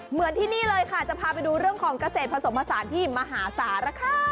เหมือนที่นี่เลยค่ะจะพาไปดูเรื่องของเกษตรผสมผสานที่มหาสารคา